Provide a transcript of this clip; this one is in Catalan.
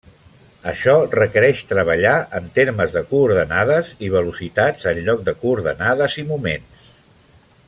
Això requereix treballar en termes de coordenades i velocitats en lloc de coordenades i moments.